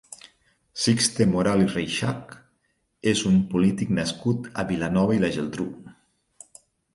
Sixte Moral i Reixach és un polític nascut a Vilanova i la Geltrú.